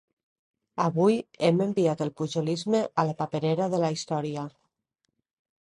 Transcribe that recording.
Avui hem enviat el pujolisme a la paperera de la història.